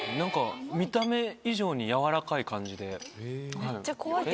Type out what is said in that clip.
見た目以上にやわらかい感じで。